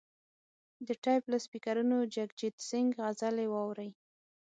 د ټیپ له سپیکرونو جګجیت سنګ غزلې واوري.